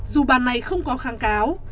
dù bà này không có kháng cáo